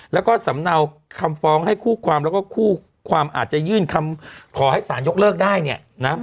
แล้วก็สำเนาคำฟ้องให้คู่ความแล้วก็คู่ความอาจจะยื่นคำขอให้สารยกเลิกได้เนี่ยนะ